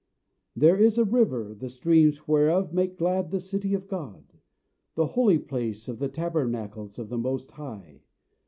There is a river, the streams whereof make glad the city of God, The holy place of the tabernacles of the Most High.